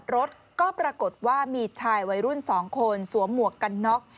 รถก็ปรากฏว่ามีชายวัยรุ่น๒คนสวมหมวกกันน็อก